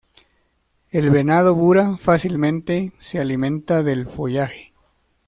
El venado bura fácilmente se alimenta del follaje.